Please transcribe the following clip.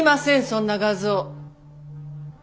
そんな画像。